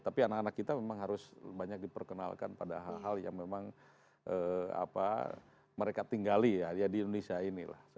tapi anak anak kita memang harus banyak diperkenalkan pada hal hal yang memang mereka tinggali ya di indonesia ini lah